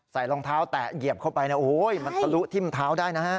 รองเท้าแตะเหยียบเข้าไปนะโอ้ยมันทะลุทิ้มเท้าได้นะฮะ